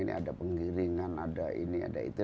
ini ada penggiringan ada ini ada itu